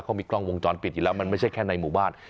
เขามีกล้องวงจรปิดอยู่แล้วมันไม่ใช่แค่ในหมู่บ้าน